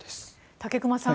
武隈さん